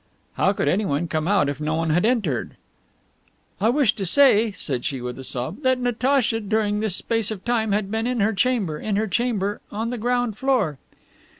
"How could anyone come out if no one had entered?" "I wish to say," said she with a sob, "that Natacha during this space of time had been in her chamber, in her chamber on the ground floor."